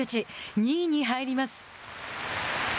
２位に入ります。